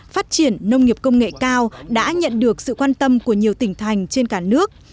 phát triển nông nghiệp công nghệ cao đã nhận được sự quan tâm của nhiều tỉnh thành trên cả nước